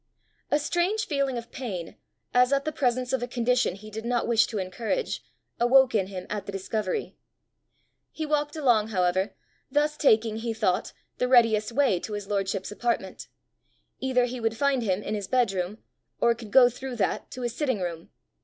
A strange feeling of pain, as at the presence of a condition he did not wish to encourage, awoke in him at the discovery. He walked along, however, thus taking, he thought, the readiest way to his lordship's apartment: either he would find him in his bedroom, or could go through that to his sitting room!